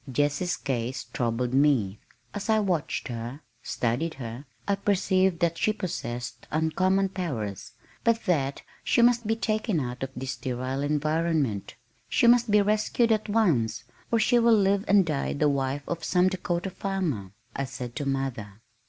Jessie's case troubled me. As I watched her, studied her, I perceived that she possessed uncommon powers, but that she must be taken out of this sterile environment. "She must be rescued at once or she will live and die the wife of some Dakota farmer," I said to mother.